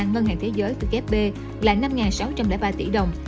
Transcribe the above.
ngân hàng thế giới từ kfb là năm sáu trăm linh ba tỷ đồng